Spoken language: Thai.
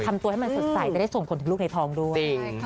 ทำตัวให้มันสดใสได้ส่งขนถึงลูกในทองด้วย